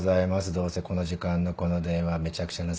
どうせこの時間のこの電話はめちゃくちゃなせりふ変更でしょ？